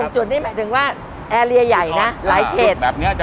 ๕๖จุดนี่หมายถึงว่าเอเรียใหญ่นะหลายเขต